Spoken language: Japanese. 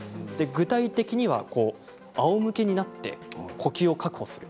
具体的にはあおむけになって呼吸を確保する